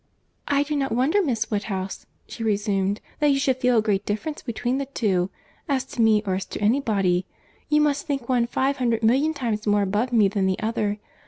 "I do not wonder, Miss Woodhouse," she resumed, "that you should feel a great difference between the two, as to me or as to any body. You must think one five hundred million times more above me than the other.